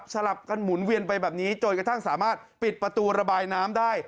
ลับกันหมุนเวียนไปแบบนี้จนกระทั่งสามารถปิดประตูระบายน้ำได้